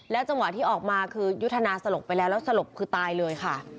จังหวะที่ออกมาคือยุทธนาสลบไปแล้วแล้วสลบคือตายเลยค่ะ